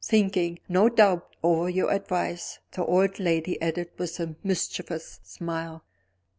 Thinking, no doubt, over your advice," the old lady added with a mischievous smile.